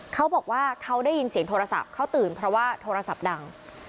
เขาบอกว่าเขาได้ยินเสียงโทรศัพท์เขาตื่นเพราะว่าโทรศัพท์ดัง